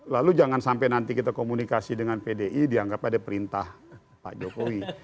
lalu jangan sampai nanti kita komunikasi dengan pdi dianggap ada perintah pak jokowi